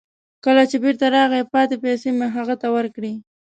کله چې بیرته راغی، پاتې پیسې مې هغه ته ورکړې.